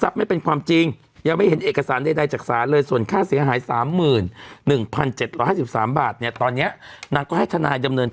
พี่มีหมอที่ไหนอะไรอย่างไรเดี๋ยวผมจัดการให้